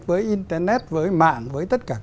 với internet với mạng với tất cả